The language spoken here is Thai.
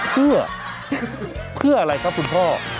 เพื่ออะไรครับคุณพ่อ